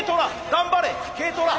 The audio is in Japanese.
頑張れＫトラ！